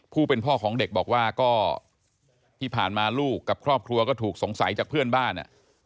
ผู้เป็นพ่อของเด็กบอกว่าก็ที่ผ่านมาลูกกับครอบครัวก็ถูกสงสัยจากเพื่อนบ้าน